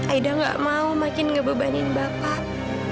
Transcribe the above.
aida gak mau makin ngebebanin bapak